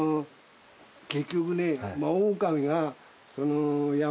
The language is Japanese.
結局ね。